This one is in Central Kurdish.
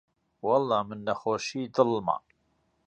وەڵڵا من نەخۆشیی دڵمە